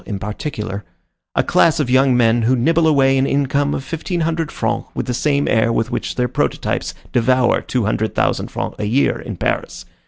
in particular, a class of young men who nibble away an income of fifteen hundred francs with the same air with which their prototypes devour two hundred thousand francs a year in Paris.